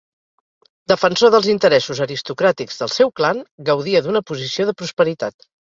Defensor dels interessos aristocràtics del seu clan, gaudia d'una posició de prosperitat.